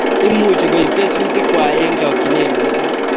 imuchi koib kesutik kwai eng chokchinet missing